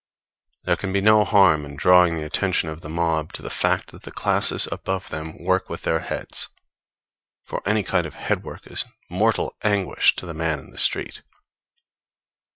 There can be no harm in drawing the attention of the mob to the fact that the classes above them work with their heads, for any kind of headwork is mortal anguish to the man in the street.